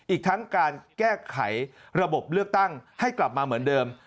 อีกทั้งการแก้ไขระบบเลือกตั้งให้กลับมาเหมือนเดิม